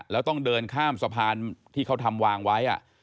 แล้วต้องเดินข้ามสะพานที่เขาทำวางไว้